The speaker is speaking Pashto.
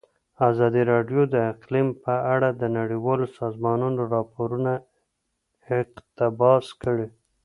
ازادي راډیو د اقلیم په اړه د نړیوالو سازمانونو راپورونه اقتباس کړي.